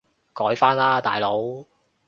改返喇大佬